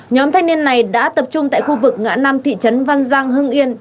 nhóm thanh niên này đã tập trung tại khu vực ngã năm thị trấn văn giang hưng yên